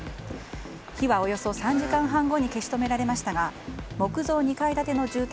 火はおよそ３時間半後に消し止められましたが木造２階建ての住宅